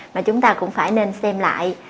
mà chúng ta cũng phải nên xem lại